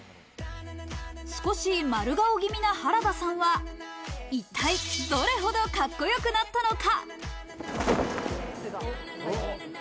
少し丸顔気味な原田さんは一体どれほどかっこよくなったのか。